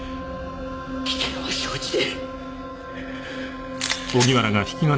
危険を承知で。